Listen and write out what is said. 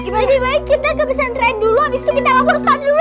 lebih baik kita ke pesantren dulu abis itu kita lapor satpol dulu